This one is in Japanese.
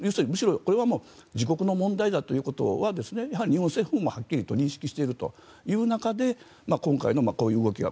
これはもう自国の問題だということはやはり日本政府もはっきりと認識しているという中で今回のこういう動きが。